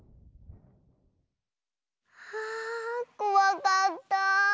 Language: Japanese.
ああこわかった。